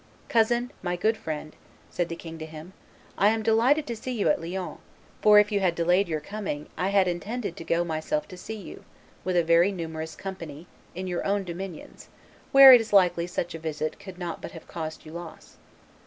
"Cousin, my good friend," said the king to him, "I am delighted to see you at Lyons, for, if you had delayed your coming, I had intended to go myself to see you, with a very numerous company, in your own dominions, where it is likely such a visit could not but have caused you loss."